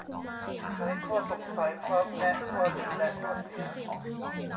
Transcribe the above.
ไขข้อสงสัย พร้อมแนะข้อดี และข้อเสีย